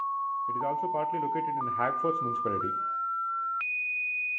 It is also partly located in Hagfors Municipality.